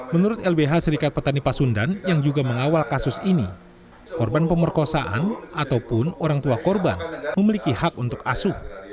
menurut lbh serikat petani pasundan yang juga mengawal kasus ini korban pemerkosaan ataupun orang tua korban memiliki hak untuk asuh